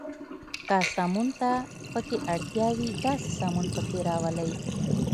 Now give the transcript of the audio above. که سمون ته پکې اړتیا وي، داسې سمون پکې راولئ.